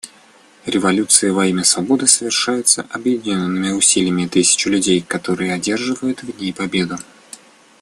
Революции во имя свободы совершаются объединенными усилиями тысяч людей, которые одерживают в ней победу.